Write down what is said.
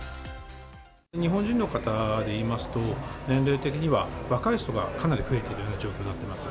日本人の方でいいますと、年齢的には、若い人がかなり増えているような状況になってます。